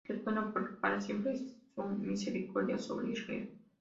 Porque es bueno, porque para siempre es su misericordia sobre Israel.